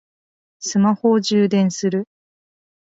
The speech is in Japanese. スマホを充電する